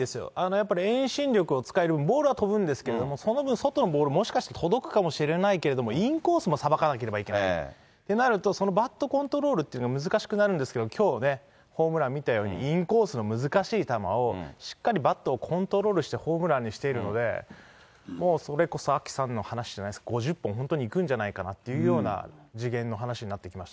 やっぱり遠心力を使える、ボールは飛ぶんですけど、その分、外のボール、もしかして届くかもしれないけれども、インコースもさばかなければいけないとなると、そのバットコントロールというのは難しくなるんですけど、きょうね、ホームラン見たようにインコースの難しい球をしっかりバットをコントロールしてホームランにしているので、もうそれこそ、アキさんの話じゃないですけど、５０本、本当にいくんじゃないかなっていうような次元の話になってきます